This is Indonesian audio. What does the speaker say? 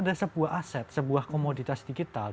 ada sebuah aset sebuah komoditas digital